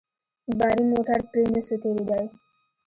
باري موټر پرې نه سو تېرېداى.